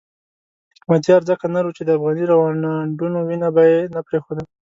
حکمتیار ځکه نر وو چې د افغاني روڼاندو وینه به یې نه پرېښوده.